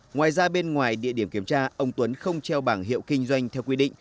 ngoài ra bên ngoài địa điểm kiểm tra ông tuấn không treo bảng hiệu kinh doanh theo quy định